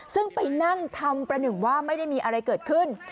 ซึ่งไปนั่งทำประหนึ่งว่าไม่ได้มีอะไรเกิดขึ้น